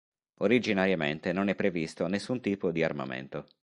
Originariamente non è previsto nessun tipo di armamento.